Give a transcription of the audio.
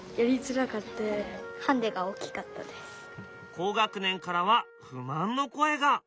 高学年からは不満の声が。